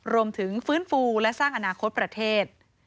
ฟื้นฟูและสร้างอนาคตประเทศ